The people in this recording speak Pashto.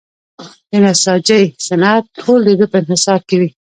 د نساجۍ صنعت ټول د ده په انحصار کې وي.